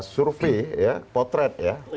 survei ya potret ya